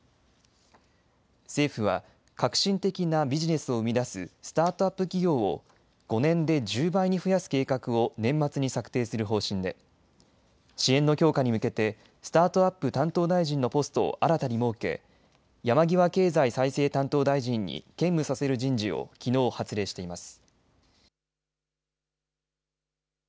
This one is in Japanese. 政府は革新的なビジネスを生み出すスタートアップ企業を５年で１０倍に増やす計画を年末に策定する方針で支援の強化に向けてスタートアップ担当大臣のポストを新たに設け山際経済再生担当大臣に兼務させる人事をきのう発令しています。